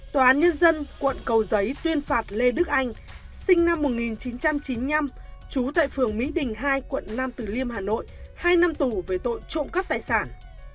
tòa án nhân dân quận cầu giấy tuyên phạt lê đức anh sinh năm một nghìn chín trăm chín mươi năm trú tại phường mỹ đình hai quận nam từ liêm hà nội hai năm tù về tội trộm cắp tài sản